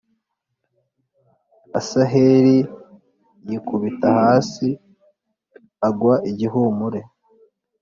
Asaheli yikubita hasi agwaigihumure